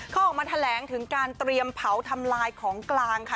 เขาออกมาแถลงถึงการเตรียมเผาทำลายของกลางค่ะ